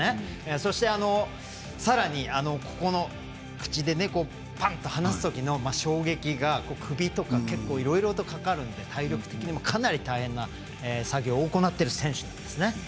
そして、さらにここの口でパンと離すときの衝撃が首とかいろいろかかるので体力的にも、かなり大変な作業を行っている選手です。